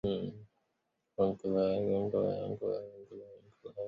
昂格莱。